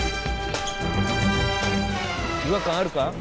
違和感あるか？